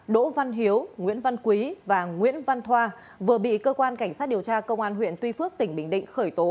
đỗ văn hiếu nguyễn văn quý và nguyễn văn thoa vừa bị cơ quan cảnh sát điều tra công an huyện tuy phước tỉnh bình định khởi tố